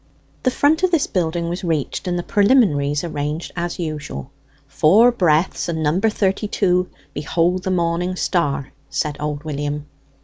The front of this building was reached, and the preliminaries arranged as usual. "Four breaths, and number thirty two, 'Behold the Morning Star,'" said old William.